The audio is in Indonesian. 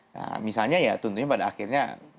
nah misalnya ya tentunya pada akhirnya